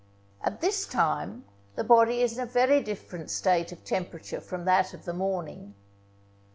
At this time the body is in a very different state of temperature from that of the morning.